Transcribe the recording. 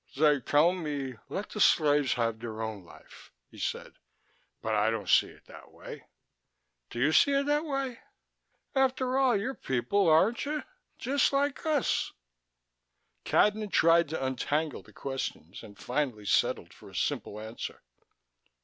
"They tell me, let the slaves have their own life," he said. "But I don't see it that way. Do you see it that way? After all, you're people, aren't you? Just like us." Cadnan tried to untangle the questions, and finally settled for a simple answer.